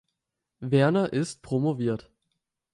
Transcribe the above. Werner ist promoviert.